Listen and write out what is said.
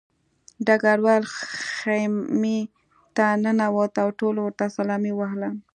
ډګروال خیمې ته ننوت او ټولو ورته سلامي ووهله